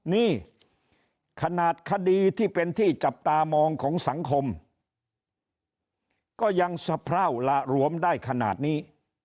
นี่ขนาดคดีที่เป็นที่จับตามองของสังคมก็ยังสะพร่าวหละหลวมได้ขนาดนี้